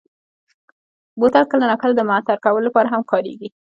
بوتل کله ناکله د معطر کولو لپاره هم کارېږي.